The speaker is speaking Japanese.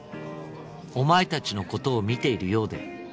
「お前達のことを見ているようで」